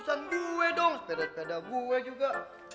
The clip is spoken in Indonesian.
urusan gue dong setadak tadak gue juga